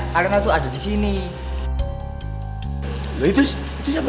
kalau cari bantuan buat apa